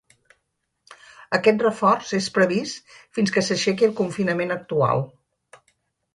Aquest reforç és previst fins que s’aixequi el confinament actual.